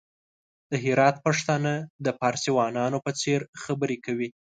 د هرات پښتانه د فارسيوانانو په څېر خبري کوي!